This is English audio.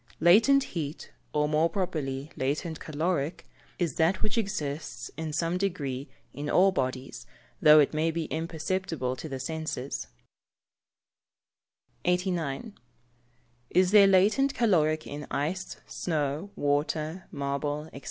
_ Latent heat (or more properly latent caloric) is that which exists, in some degree, in all bodies, though it may be imperceptible to the senses. 89. _Is there latent caloric in ice, snow, water, marble, &c?